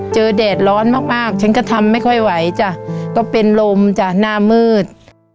แดดร้อนมากฉันก็ทำไม่ค่อยไหวจ้ะก็เป็นลมจ้ะหน้ามืด